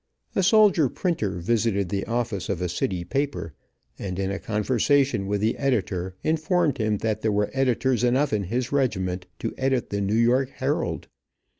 A soldier printer visited the office of a city paper, and in a conversation with the editor informed him that there were editors enough in his regiment to edit the New York Herald.